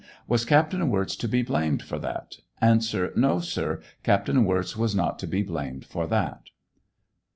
Was Captain Wirz to be blamed for that ? A. No, sir ; Captain Wirz was not to be blamed for that.